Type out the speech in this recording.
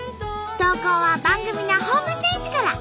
投稿は番組のホームページから。